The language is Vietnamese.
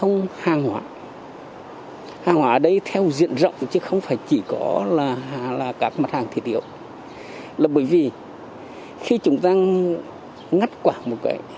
mặt hàng thiệt hiệu là bởi vì khi chúng ta ngắt quả một gãy